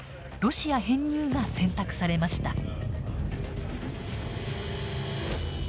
ロシア編入が選択されました。